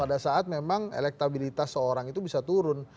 pada saat memang elektabilitas seorang itu bisa turun